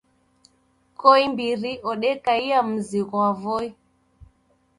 Koimbiri odekaia mzi ghwa Voi